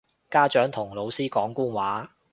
家長同老師講官話